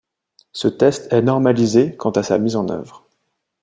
Ce test est normalisé quant à sa mise en œuvre.